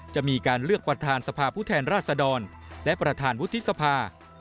จะมีการเลือกประธานสภาผู้แทนราชดรและประธานวุฒิสภา